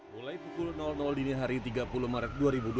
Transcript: mulai pukul dini hari tiga puluh maret dua ribu dua puluh